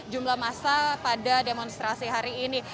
jumlah masa pada demonstrasi hari ini